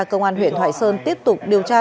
cơ quan huyện thoại sơn tiếp tục điều tra